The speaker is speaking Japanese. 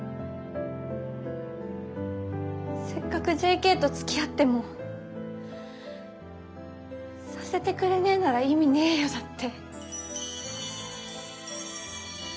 「せっかくＪＫとつきあってもさせてくれねえなら意味ねえよ」だって。